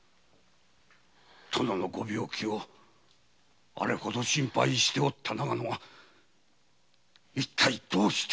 殿のご病気をあれほど心配しておった長野が一体どうして？